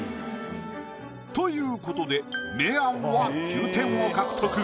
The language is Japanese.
ということで明暗は９点を獲得。